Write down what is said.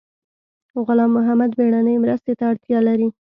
غلام محد بیړنۍ مرستې ته اړتیا لري